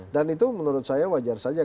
dan itu menurut saya wajar saja